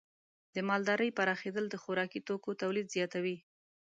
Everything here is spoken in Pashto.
د مالدارۍ پراخېدل د خوراکي توکو تولید زیاتوي.